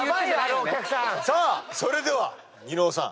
さあそれでは伊野尾さん。